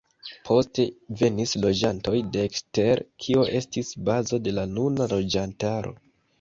Poste venis loĝantoj de ekstere kio estis bazo de la nuna loĝantaro.